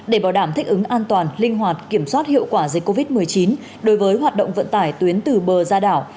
để bảo đảm thích ứng an toàn linh hoạt kiểm soát hiệu quả dịch covid một mươi chín đối với hoạt động vận tải tuyến từ bờ ra đảo